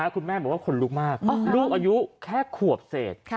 คุณแม่บอกว่าขนลุกมากลูกอายุแค่ขวบเศษ